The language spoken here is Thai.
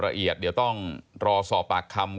ละเอียดเดี๋ยวต้องรอสอบปากคำ